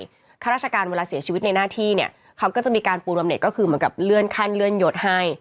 ข้าราชการเวลาเสียชีวิตในหน้าที่เนี่ยเขาก็จะมีการปูนบำเน็ตก็คือเหมือนกับเลื่อนขั้นเลื่อนยดให้